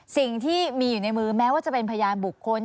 สิ่งที่มีอยู่ในมือแม้ว่าจะเป็นพยานบุคคล